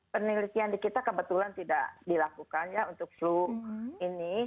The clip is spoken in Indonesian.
penelitian di kita kebetulan tidak dilakukan ya untuk flu ini